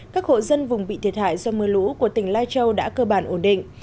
các hộ dân vùng bị thiệt hại do mưa lũ của tỉnh lai châu đã cơ bản ổn định